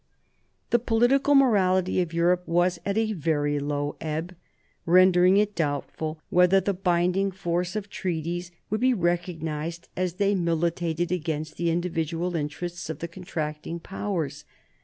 The political morality of Europe was at a very low ebb, rendering it doubtful whether the binding force of treaties would be recognised if they militated against the individual interests of the contracting Powers.